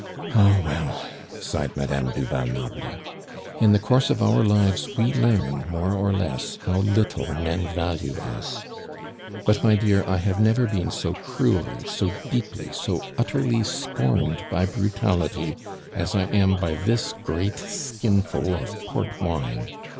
"Ah, well!" sighed Madame du Val Noble; "in the course of our lives we learn more or less how little men value us. But, my dear, I have never been so cruelly, so deeply, so utterly scorned by brutality as I am by this great skinful of port wine.